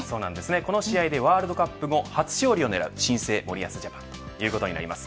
この試合でワールドカップ後初勝利を狙う新生森保ジャパンということになります。